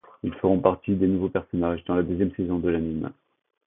Ils feront partie des nouveaux personnages dans la deuxième saison de l'anime.